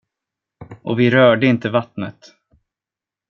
Och vi rörde inte vattnet.